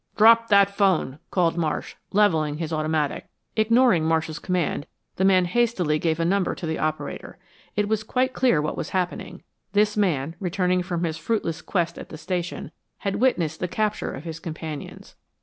"Drop that phone!" called Marsh, leveling his automatic. Ignoring Marsh's command, the man hastily gave a number to the operator. It was quite clear what was happening. This man, returning from his fruitless quest at the station, had witnessed the capture of his companions.